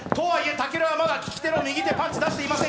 武尊はまだ利き手の右手のパンチ出していません。